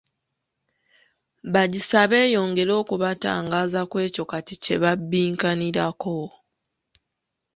Bagisabe eyongere okubatangaaza Ku ekyo kati kye babbinkanirako.